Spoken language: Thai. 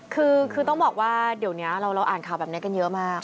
คือต้องบอกว่าเดี๋ยวนี้เราอ่านข่าวแบบนี้กันเยอะมาก